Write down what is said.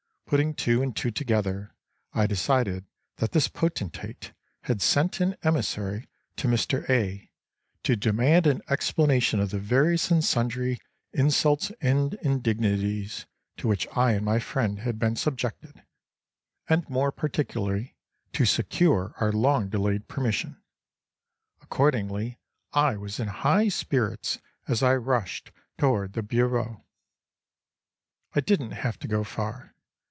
Putting two and two together I decided that this potentate had sent an emissary to Mr. A. to demand an explanation of the various and sundry insults and indignities to which I and my friend had been subjected, and more particularly to secure our long delayed permission. Accordingly I was in high spirits as I rushed toward the bureau. I didn't have to go far.